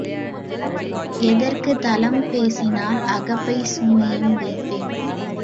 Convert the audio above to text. எதற்கு தலம் பேசினால் அகப்பைச் சூன்யம் வைப்பேன்.